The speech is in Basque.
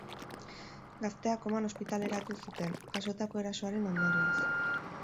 Gaztea koman ospitaleratu zuten, jasotako erasoaren ondorioz.